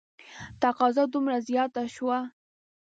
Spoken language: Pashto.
تقاضا دومره زیاته شوه.